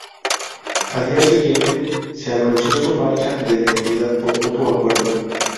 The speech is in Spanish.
Al día siguiente se anunció su marcha de la entidad por mutuo acuerdo.